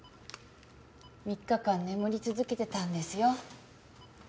３日間眠り続けてたんですよ。